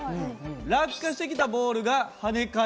落下してきたボールが跳ね返る。